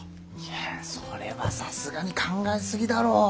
いやそれはさすがに考えすぎだろ。